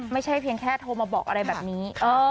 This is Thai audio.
ไม่ใช่เพียงแค่โทรมาบอกอะไรแบบนี้